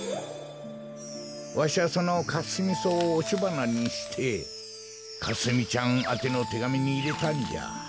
わしはそのカスミソウをおしばなにしてかすみちゃんあてのてがみにいれたんじゃ。